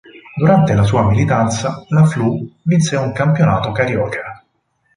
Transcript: Durante la sua militanza la "Flu" vinse un Campionato Carioca.